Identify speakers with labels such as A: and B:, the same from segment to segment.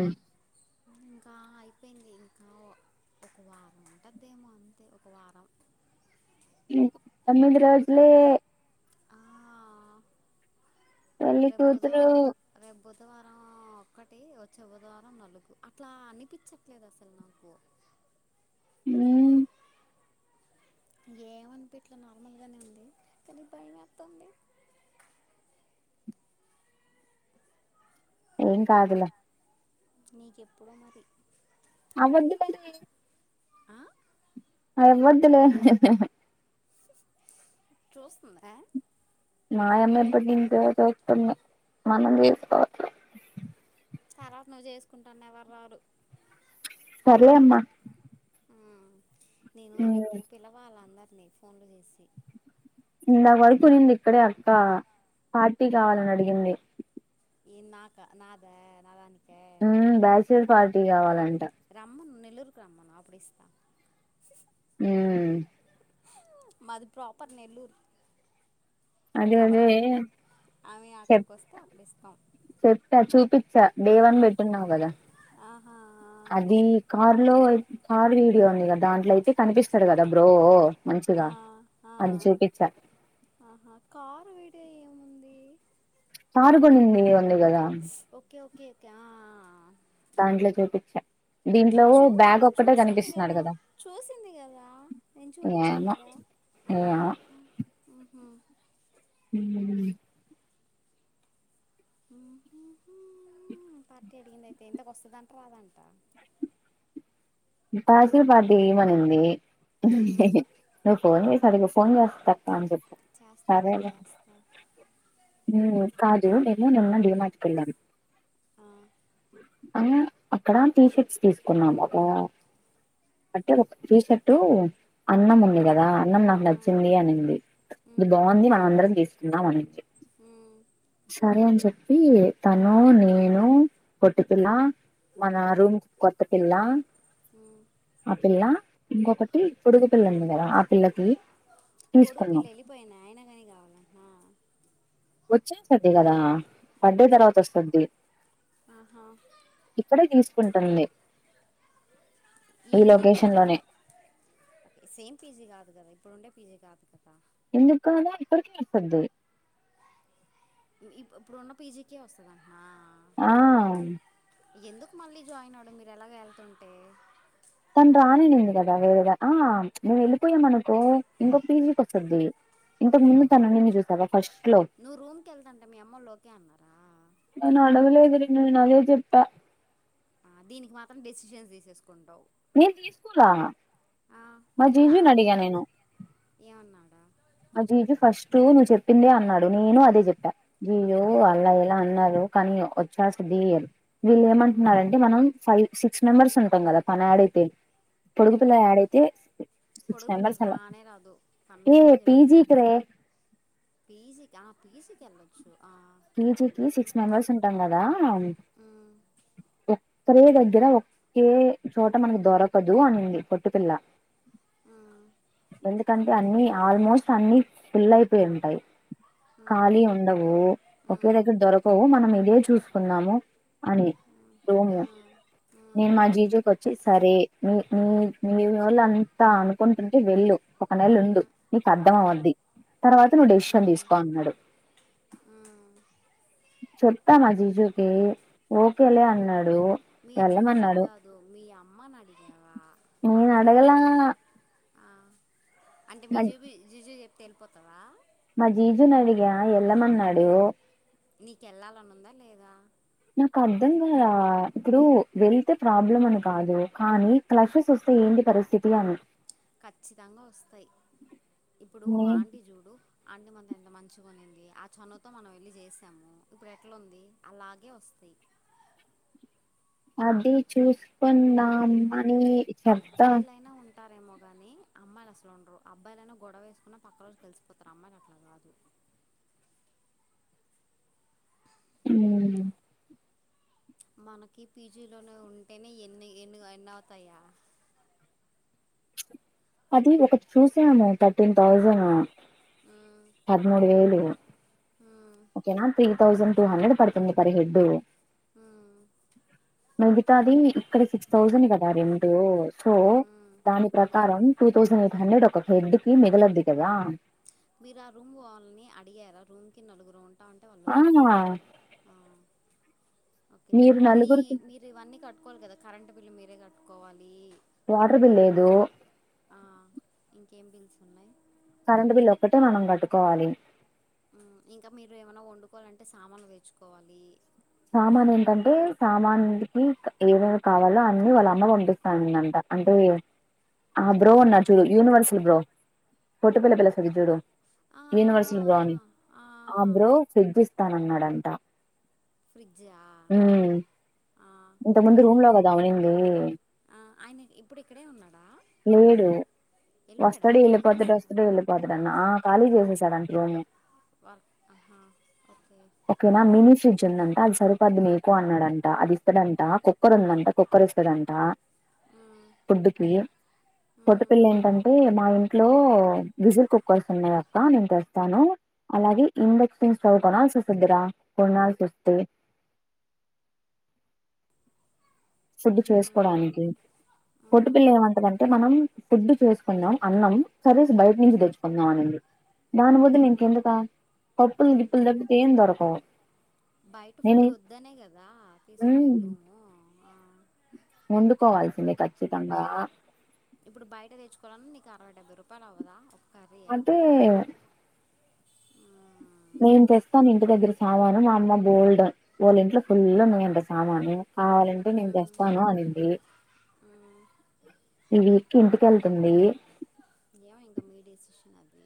A: అవు
B: ఇంకా అయిపోయింది ఇంకా ఒక వారం ఉంటందేమో అంతే ఒక వారం
A: తొమ్మిధి రోజులే పెళ్లి
B: రేపు
A: కూతురు
B: బుధవారం రేపు బుధవారం ఒకటి వచ్చి బుధవారం నలుగు అట్లా అనిపించట్లేదు అసలు నాకు
A: మ్మ్
B: ఏమనిపి ఇట్లా నార్మల్గానే ఉంది కానీ భయం వస్తుంది
A: ఏం కాదుల
B: నీకెప్పుడో మరి
A: వది [unintelligible]
B: ఆ
A: అ మదులే
B: చూస్తుంద
A: మాయమబడి [unintelligible]
B: తరాత నువ్వు చేసుకుంటాను ఎవరువరు
A: పర్లే అమ్మా
B: నేను రేపు
A: మ్మ్
B: పిల్లవాల అందరినీ ఫోన్లు చేసి
A: ఇంద వరకు నిన్న ఇక్కడే అక్క పార్టీ కావాలని అడిగింది
B: ఈ నాకా నాద నాదానికి
A: ఉ బ్యాచలర్స్ పార్టీ కావాలంట
B: [unintelligible] అప్పుడు ఇష్ట
A: ఉ
B: మాది ప్రాపర్ నెల్లూరు
A: అదే అదే
B: కాబట్టి ఆమె అక్కడికి వస్తే అప్పుడు ఇస్తాం
A: చెప్తా చూపచ్చా డే వన్ పెట్టున్నావు కదా
B: ఆహా
A: అది కార్ లో కార్ వీడియో ఉంది కదా దాంట్లో అయితే కనిపిస్తాడు కదా బ్రో
B: ఆ,
A: [unintelligible]
B: ఆ,
A: అధి చెపిన్‌చాలి
B: ఆహా కారు విడియో ఏముంది
A: కారు కొనింధి వుంధి కథ
B: క
A: దాంట్లో చూపించా దీంట్లో
B: చూ
A: బ్యాగ్ ఒక్కటే
B: చూసింది
A: కనిపిస్తున్నాడు
B: కదా చూసింది కదా నేను చూపించా
A: ఏమో
B: కదా
A: ఏమో
B: ఆహా
A: ఉ
B: ఉ పార్టీ అడిగింద అయితే ఇంతక వస్తుందంట రాదంట
A: కాచీల్ పార్టీ ఏమనింది
B: మ్,
A: నువ్వు ఫోన్ చేసి అడుగు ఫోన్ చేష్ట అని చెప్పు
B: చేస్తా
A: సరే
B: రేపు
A: నా
B: చేస్తా
A: మెము నిన్నా డిమార్ట్ కి వెల్లాము
B: ఆ,
A: ఆ అక్కడ టీషర్ట్స్ తీసుకున్నాము కదా అంటే ఒక టీషర్టు అన్నం ఉంది కదా న్నం నాకు
B: ఆ.
A: నచ్చింది అనింది ఇది
B: ఉమ్
A: బాగుంది మనం అందరం తీసుకుందాం అనింది
B: ఉమ్
A: సరే అని చెప్ప ఈ తను నేను పొట్టిపిల్ల మన రూమ్ కొత్త పిల్ల
B: ఉమ్
A: ఆ పిల్ల ఇంకొకటి పొడుగు పిల్ల ఉంది కదా ఆ పిల్లకి
B: పొడుగు
A: తీసుకున్నాం
B: పిల్ల వెళ్ళిపోయినా ఆయన కాని కావాలాంటానా
A: వచ్చేస్తుంది కదా బార్డే తర్వాత వస్తది చూడు
B: ఆహ
A: కుంటుంది
B: ఏంది ఇప్పుడున్నద సేమ్ పీజీ కాదు కదా ఇప్పుడు ఉండే పీజీ కాదు కదా
A: ఎందుకు రాదు [unintelligible]
B: ఈ ఇప్పుడున్న పీజీకే వస్తుందటన
A: ఆ
B: ఎందుకు మళ్ళీ జాయిన్ అవ్వడం మీరు ఎలాగో వెళ్తుంటే
A: తను రాను ఆనింది కదా వేరేగా ఆ మేము వెళ్ళిపోయామ అనుకో ఇంకోక పీజీకి వస్తది
B: ఆహా
A: లో
B: నువ్వు రూమ్ కి వెళ్తాంటే మీ అమ్మ వాళ్ళు ఒకే అన్నారా
A: నేను అడగలేదు నేను ఆదే చెప్ప
B: ఆ దీనికి మాత్రం డెసిషన్స్ తీసేసుకుంటావు
A: నేను తీసుకురా
B: ఆ నిన్న అయితే ఏమన్నాడు రా
A: ఆ జీజి ఫస్ట్ నువ్వు చెప్పిందే అన్నాడు నేను అదే చెప్పా జియో
B: ఉమ్
A: అలా ఎలా అన్నావ్ కానీ వచ్చేస్తది అని వీళ్ళు ఏమంటున్నారంటే మనం ఫైవ్ సిక్స్ మెంబర్స్ ఉంటాం కదా తను యాడ్ అయితే పొడుగు పిల్ల
B: ఉమ్
A: యాడ్ ఆయితే సిక్స్
B: పొడుగు
A: మెంబర్స్ అలా ఈ
B: పీజీ కా పిజీకి ఏమొచ్చు
A: పిజీకి సిక్స్ మెంబెర్స్ ఉంటాం కదా
B: ఉమ్
A: ఒకే దగ్గర ఒకే చోట మనకు దొరకదు అనింది పొట్టిపిల్ల
B: ఉమ్
A: ఎందుకంటే అన్ని ఆల్మోస్ట్ అన్ని ఫుల్ అయిపోయి ఉంటాయి ఖాళీ ఉండవు ఒకే దగ్గర దొరకవు మనం ఇదే చూసుకున్నాము అని రూమ్
B: ఉమ్
A: నేను
B: ఉమ్.
A: మా జీజుకి వచ్చి సరే మీ నీ నీ వాళ్ళ అంతా అనుకుంటుంటే వెళ్ళు ఒక నెల ఉండు నీకు అర్థం అవుద్ది తర్వాత నువ్వు డెసిషన్ తీసుకో అన్నాడు చెప్పాను జీజుకి ఓకేలే అన్నాడు
B: మీ జూజి
A: వెళ్ళమన్నాడు
B: కాదు మీ అమ్మని అడిగినవా
A: నేను అడగలా
B: అంటే మీ
A: మా
B: జూబు జీజు చెప్తే వెళ్ళిపోతవా
A: మా జీజు నీ అడిగా వెళ్ళమన్నాడు
B: నీకు వెళ్ళాలని ఉందా లేదా
A: నాకు అర్ధం కాలే ఇప్పుడు వెళ్తే ప్రాబ్లం అని కాదు కానీ క్లషెస్ వస్త టే ఏంటి పరిస్థితి అని
B: ఖచ్చితంగా వస్తాయి ఇప్పుడు
A: నేను
B: ఆంటీ చూడు అంటి మన ఎంత మంచిగా ఉన్నింది ఆ చనువతో మనం వెళ్ళి చేసాము ఇప్పుడు ఎట్లా ఉంది అలాగే వస్తు ది
A: అది చూసుకుందామా
B: అబ్బాయిలైనా ఉంట ఉంటారేమో కాని అమ్మాయిలు అసలు ఉండరు అబ్బాయిలైనా గొడవేసుకున్నా పక్క రోజు కలిసిపోతారు అమ్మాయిలు అట్లా కాదు
A: హు
B: మనకి పీజీలోనే ఉంటేనే ఎన్ని ఎన్ని ఎన్న అవుతాయా
A: అది ఒకటి చూసాను థర్టీన్ థౌజను,
B: మ్మ్,
A: పదమూడు వేలు.
B: మ్మ్,
A: ఓకేనా త్రీ తౌసండ్ టూ హండ్రెడ్ పడుతుంది పర్ హెడ్.
B: ఆ
A: మిగతాది ఇక్కడ సిక్స్ థౌజండ్ కదా రెంటు సో
B: మ్మ్, మ్మ్,
A: దాని
B: మ్మ్.
A: ప్రకారం, టూ థౌజండ్ ఎయిట్ హండ్రెడ్ ఒక హెడ్ కి మిగిలద్ది కదా!
B: మీరు ఆ రూమ్ వాళ్ళని అడిగారా రూమ్ కి నలుగురమున్ టామ్ అంటే వాళ్
A: ఆ
B: ఓకె అన్నారా? ఆ. ఓకే
A: మీరు
B: మళ్ళీ
A: నలుగురికి
B: మీరు ఇవన్నీ కట్టుకోవాలి కదా, కరెంట్ బిల్లు మీరే కట్టుకోవాలి.
A: వాటర్ బిల్ లేదు.
B: ఆ, ఇంకేం బిల్స్ ఉన్నాయి?
A: కరెంట్ బిల్ ఒక్కటే మనం కట్టుకోవాలి.
B: ఆ ఇంకా మీరు ఏమైనా వండుకోవాలంటే, సామాన్లు తెచ్చుకోవాలి.
A: సామాన్ ఏంటంటే, సామాన్కి ఏమేమి కావాలో అన్ని వాళ్ళ అమ్మ పండిస్తా అనిందంట. అంటే ఆ బ్రో ఉన్నారు
B: ఎవరన్నా
A: చూడు, యూనివర్సల్ బ్రో, పొట్టి పిల్ల పిలుస్తది చూడు
B: ఆ,
A: యూనివర్సల్ బ్రో అని, ఆ బ్రో ఫ్రీడ్జ్ ఇస్తానన్నాడంట.
B: ఫ్రిడ్జా?
A: ఉమ్ ఇంత ముందు రూమ్ లో
B: మిగిలినవి
A: కదా ఉన్నింది,
B: ఆ ఆయన ఇప్పుడు ఇక్కడే ఉన్నాడా? వెళ్ళిపోయాడా
A: వస్తడు
B: ఖాళీ
A: వెళ్ళిపోతాడు.
B: చేస్తా
A: వస్తడు వెళ్ళిపోతాడన్న. ఆ ఖాళీ చేసేసాడంట రూము.
B: వ ఆహా ఓకే.
A: ఓకేనా మినీ ఫ్రిడ్జ్ ఉందంట అది సరిపోద్ది మీకు అన్నడంట. అది ఇస్తడంట కుక్కర్ ఉందంట, కుక్కర్ ఇస్తడంట, ఫుడ్డు కి పొట్టి పిల్ల ఏంటంటే, మా ఇంట్లో విజిల్ కుక్కర్స్ ఉన్నాయక్క. నేను తెస్తాను. అలాగే ఇండక్షన్ స్టవ్ కొనాల్సోస్తది రా. కొనాల్సోస్తే ఫుడ్డు చేసుకోడానికి. పొట్టి పిల్ల
B: ఆ
A: ఏమంటదంటే, మనం ఫుడ్ చేసుకుందాం అన్నం. కర్రీస్ బయట నుంచి తెచ్చుకుందాం అనింది. దాని బదులు
B: అప్-
A: ఇంకెందుకు, పప్పులు, గిప్పులు
B: అంతే
A: తప్పితే ఏమ్ దొరకవు.
B: బయట
A: నేను
B: ఫుడ్ వద్దనే కదా
A: హ్మ్
B: తీసుకునేది రూము. ఆ
A: వండుకోవాల్సిందే. ఖచ్చితంగా.
B: ఇప్పుడు బయట తెచ్చుకోవడం, నీకు అరవై, డెబ్బై రూపాయలు అవ్వదా? ఒక్క
A: అదే
B: మ్మ్.
A: నేను తెస్తాన్ ఇంటి దగ్గర సామాను. మా అమ్మ బోల్డ్, వాళ్ ఇంట్లో ఫుల్ ఉన్నాయంట సామాను. కావాలంటే నేను తెస్తాను అనింది.
B: మ్
A: ఈ విక్ ఇంటికెళ్తుంది.
B: ఏమో ఇంక మీ డిసిషన్ అది.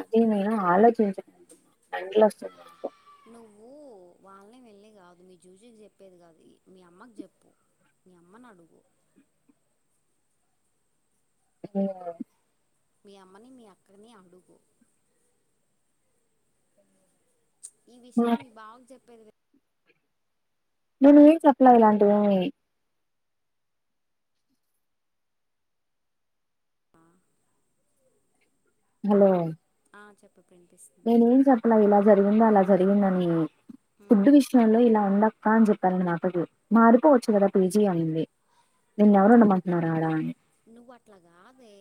A: అది నేను ఆలోచించకుండున్న. మెంటలొస్తుంది నాకు.
B: నువ్వు వాళ్ళనీ వీళ్ళని కాదు. మీ జూజికి చెప్పేది కాదు మీ అమ్మకి చెప్పు. మీ అమ్మనడుగు.
A: ఆ
B: మీ అమ్మని, మీ అక్కని అడుగు. ఈ విషయాలు
A: నేను
B: మీ బావకి చెప్పేది వే
A: నేను ఏం చెప్పలే ఇలాంటివి ఏమీ. హలో
B: ఆ చెప్పు ఇప్పుడు వినిపిస్తుంది
A: నేనేం చెప్పలే ఇలా జరిగింది, అలా జరిగిందని. ఫుడ్
B: మ్మ్
A: విషయంలో ఇలా ఉండ కా అని చెప్పా నేను అక్క కి. మారిపోవచ్చు కదా పీజీ అనింది! నిన్ ఎవరుండమంటున్నారు ఆడ అని
B: నువ్ అట్ల కాదే.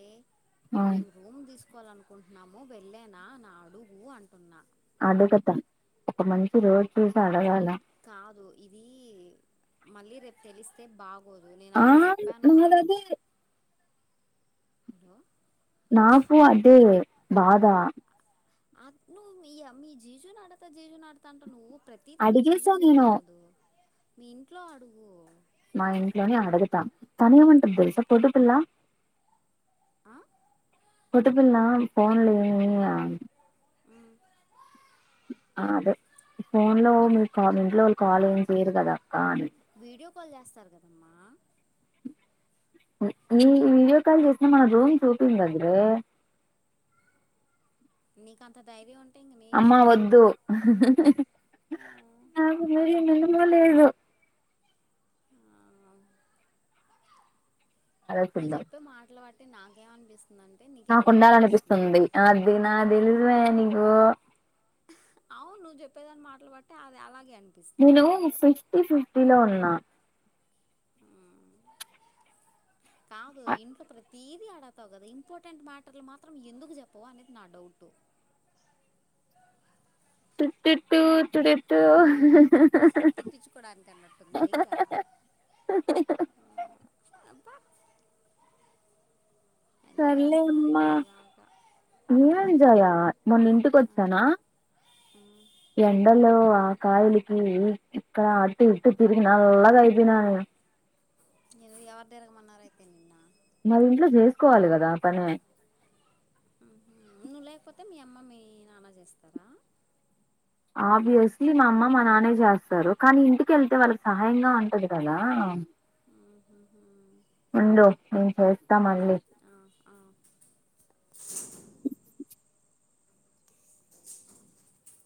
A: ఆ
B: మేం రూమ్ తీస్ తీసుకోవాల అనుకుంటున్నాము. వెళ్లేనా అని అడుగు అంటున్న.
A: అడగతా, ఒక మంచి రోజు చూసి అడగాల.
B: కాదు ఇది మళ్ళీ రేపు తెలిస్తే బాగ్
A: ఆ నా అది
B: హలో
A: బాదా
B: అ నువ్వు మీ జీషుని అడతా జీజు ఆడతా అంటా నువ్వు ప్రతిదీ మీ
A: అడిగేసా
B: జీజం
A: నేను
B: చెప్పేది కాదు మీ ఇంట్లో అడుగు
A: మా ఇంట్లోనే అడుగుతాం తనే
B: ఆ
A: ఏమంటంది తెలుసా పొద్దు పిల్ల
B: ఆ
A: కొదుపుల్ పోన్ల అదే ఫోన్ లో మీరు కా ఇంట్లో వాళ్ళు కాల్ ఏం చెయరు కదా అక్క అని
B: లు చేస్తారు కదమ్మా
A: ఈ వీడియో కాల్ చేసిన మన రూమ్ ూపింగ్ దగ్గరే
B: నీక అంత ధైర్యం ఉంట
A: అమ్మా వద్దు అ లేదు
B: ఆ నువ్వు
A: అరచుద్దాం
B: చెప్పే మాటలు బట్టి నాకేమ అనిపిస్తు
A: నాకుండాల అనిపిస్తుంది అది నా తెలిసు నీకు
B: అవు నువ్వు చెప్పేదాని మాట్లు పట్టే అది అలాగే
A: నేను
B: అనిపిస్తుంది
A: ఫిఫ్టీ ఫిఫ్టీ లో ఉన్నా
B: కాదు ఇంట్లో ప్రతి తీది ఆడతావు కదా ఇంపార్టెంట్ మ్యాటర్లు మాత్రం ఎందుకు చెప్పవు అనేది నా డౌట్
A: తుటిట్టు తుడిట్
B: తిప్పించుకోవడానికి అన్నట్టుంది నీకాబ ఎంట చేస్తున్నారు ఇతే నాక
A: ఏమంజాయా మొన్న
B: ఆ,
A: ఇంటికిచ్చానా
B: ఉమ్.
A: ఎండలు కాయలికి ఇక్కడ అటు ఇటు తిరిగి నల్లగా అయిపోనాను
B: నరు ఎవరి దరకమన్నార అయితే నిన్న
A: మది ఇంట్లో చేసుకోవాలి కదా ఆ పనే
B: నువ్వు లేకపోతే మీ అమ్మ మీ నానా చేస్తారా
A: ఆబ్వియస్లీ మా అమ్మ మా నాన్న చేస్తారు కానీ ఇంటికిళ్తే వాళ్ళకి సహాయంగా ఉంటది కదా
B: ఆహ
A: ఉండు మేం చేస్తాం మళ్ళీ
B: ఆ, ఆ.